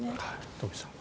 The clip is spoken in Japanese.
東輝さん。